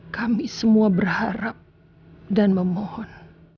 kami semua berharap dan memohon